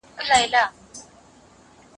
زه به اوږده موده د ژبي تمرين کړی وم؟!